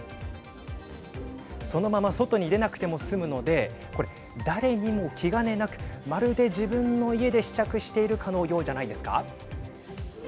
そのまま外に出なくても済むのでこれ、誰にも気兼ねなくまるで自分の家で試着しているかのようじゃないですか。